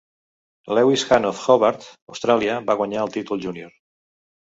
Lewis Hand of Hobart, Austràlia, va guanyar el títol junior.